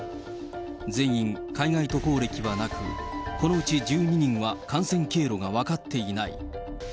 全員海外渡航歴はなく、このうち１２人は感染経路が分かっていない。